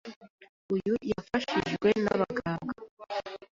Uyu yafashijwe n’abaganga